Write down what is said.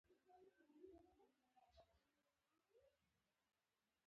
غول د الرجۍ نښه کېدای شي.